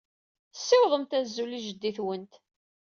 Ssiwḍemt azul i jeddi-twent.